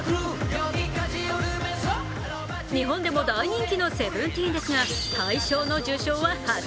日本でも大人気のＳＥＶＥＮＴＥＥＮですが大賞の受賞は初。